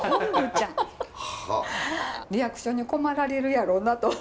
リアクションに困られるやろうなと。